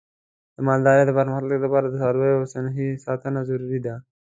د مالدارۍ د پرمختګ لپاره د څارویو صحي ساتنه ضروري ده.